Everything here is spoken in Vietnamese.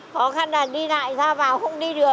khó khăn là đi lại ra vào không đi được